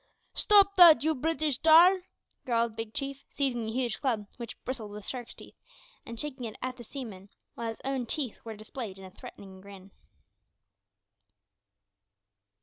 "Stop that, you Breetish tar!" growled Big Chief, seizing a huge club, which bristled with shark's teeth, and shaking it at the seaman, while his own teeth were displayed in a threatening grin.